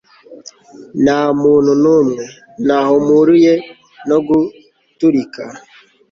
nta muntu n'umwe; ntaho mpuriye no guturika